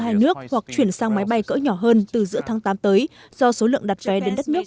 hai nước hoặc chuyển sang máy bay cỡ nhỏ hơn từ giữa tháng tám tới do số lượng đặt vé đến đất nước